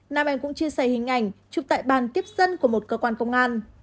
nam anh cũng chia sẻ hình ảnh chụp tại bàn tiếp dân của một cơ quan công an